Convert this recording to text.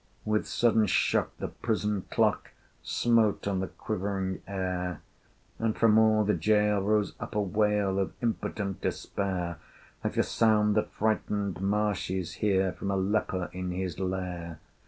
With sudden shock the prison clock Smote on the shivering air, And from all the gaol rose up a wail Of impotent despair, Like the sound that frightened marshes hear From a leper in his lair.